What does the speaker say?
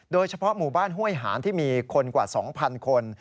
โดยเฉพาะหมู่บ้านห้วยหารที่มีคนกว่า๒๐๐๐คน